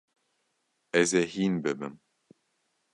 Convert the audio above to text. Ez ê hîn bibim.